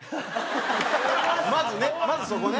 まずねまずそこね。